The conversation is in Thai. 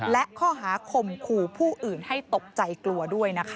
และข้อหาข่มขู่ผู้อื่นให้ตกใจกลัวด้วยนะคะ